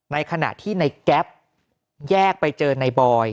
ในขณะที่ในแก๊ปแยกไปเจอในบอย